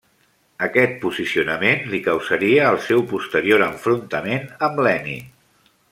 Aquest posicionament li causaria el seu posterior enfrontament amb Lenin.